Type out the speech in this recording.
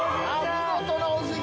◆見事なおじぎ。